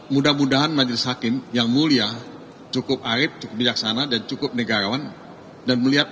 mudah mudahan majelis hakim yang mulia cukup aib cukup bijaksana dan cukup negarawan dan melihat